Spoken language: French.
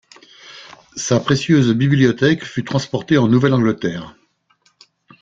Sa précieuse bibliothèque fut transportée en Nouvelle-Angleterre.